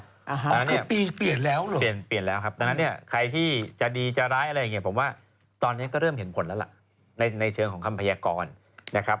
อันนี้ปีเปลี่ยนแล้วเหรอเปลี่ยนเปลี่ยนแล้วครับดังนั้นเนี่ยใครที่จะดีจะร้ายอะไรอย่างนี้ผมว่าตอนนี้ก็เริ่มเห็นผลแล้วล่ะในเชิงของคำพยากรนะครับ